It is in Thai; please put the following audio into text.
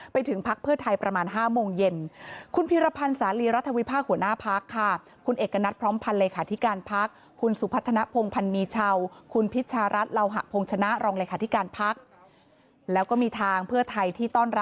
พักเพื่อไทยประมาณ๕โมงเย็น